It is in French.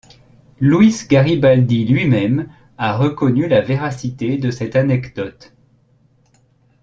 Luis Garibaldi, lui-même, a reconnu la véracité de cette anecdote.